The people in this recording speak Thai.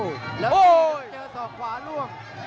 โอ้โหแล้วเจอสองขวาล่วง